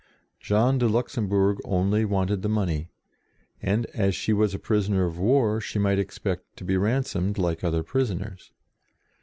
Jean de Luxem bourg only wanted the money, and, as she was a prisoner of war, she might expect to be ransomed like other prisoners.